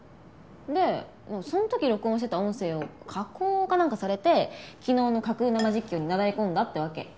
でその時録音してた音声を加工かなんかされて昨日の架空生実況になだれ込んだってわけ。